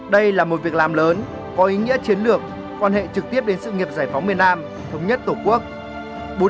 đây là một việc làm lớn có ý nghĩa chiến lược quan hệ trực tiếp đến sự nghiệp giải phóng miền nam thống nhất tổ quốc